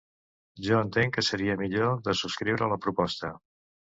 Jo entenc que seria millor de subscriure la proposta.